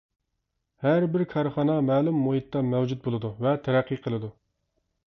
ھەربىر كارخانا مەلۇم مۇھىتتا مەۋجۇت بولىدۇ ۋە تەرەققىي قىلىدۇ.